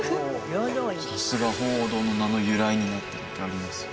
さすが鳳凰堂の名の由来になっただけありますよ